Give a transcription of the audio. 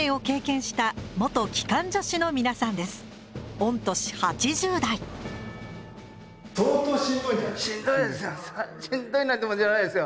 しんどいなんてもんじゃないですよ。